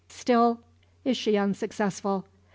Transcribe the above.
Still is she unsuccessful.